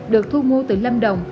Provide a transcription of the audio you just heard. được thu mua từ lâm đồng